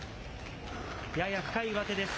やや深い上手です。